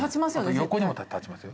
横にも立ちますよ。